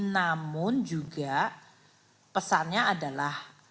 namun juga pesannya adalah